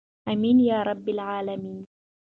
امین یا رب العالمین.